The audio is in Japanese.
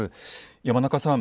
山中さん